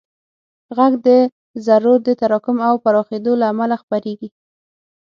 غږ د ذرّو د تراکم او پراخېدو له امله خپرېږي.